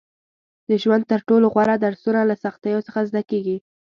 • د ژوند تر ټولو غوره درسونه له سختیو څخه زده کېږي.